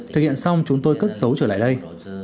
thực hiện xong chúng tôi cất dấu trở lại đây